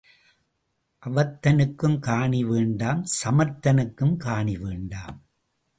அவத்தனுக்கும் காணி வேண்டாம் சமர்த்தனுக்கும் காணி வேண்டாம்.